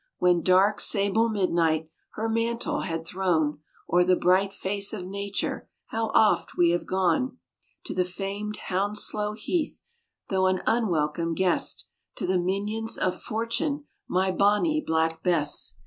When dark, sable midnight Her mantle had thrown O'er the bright face of nature, How oft we have gone To the famed Houndslow heath, Though an unwelcome guest To the minions of fortune, My Bonnie Black Bess.